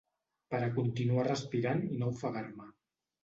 Per a continuar respirant i no ofegar-me.